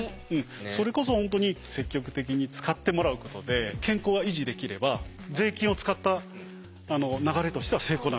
それこそ本当に積極的に使ってもらうことで健康が維持できれば税金を使った流れとしては成功なわけです。